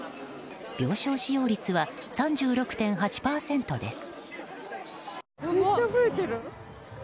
病床使用率は３６．８％です。